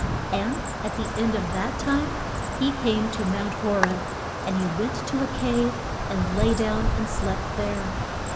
And at the end of that time he came to Mount Ho reb. And he went to a cave and lay down and slept there.